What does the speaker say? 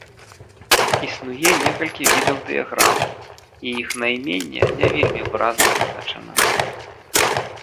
Існуе некалькі відаў дыяграмы, і іх найменне не вельмі выразна вызначана.